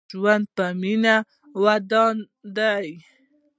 ژوند په مينه ودان دې